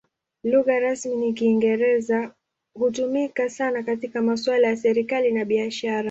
Lugha rasmi ni Kiingereza; hutumika sana katika masuala ya serikali na biashara.